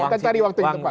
kita cari waktu yang tepat